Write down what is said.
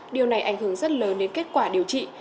điều này ảnh hưởng rất lớn đến kết quả điều trị